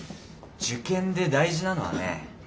受験で大事なのはね